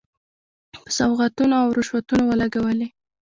په سوغاتونو او رشوتونو ولګولې.